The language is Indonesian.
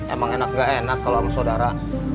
emang enak gak enak kalau emang saudara